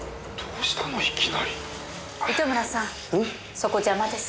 そこ邪魔です。